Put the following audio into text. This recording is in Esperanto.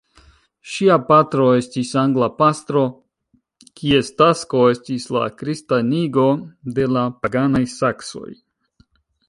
Ŝia patro estis angla pastro, kies tasko estis la kristanigo de la paganaj saksoj.